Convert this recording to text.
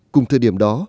cùng thời điểm đó